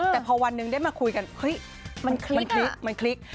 แต่พอวันหนึ่งได้มาคุยกันเฮ้ยมันพลิกมันคลิก